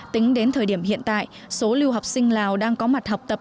tính đến thời điểm hiện tại số lưu học sinh lào đang có mặt học tập